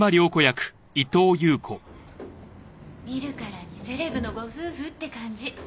見るからにセレブのご夫婦って感じ。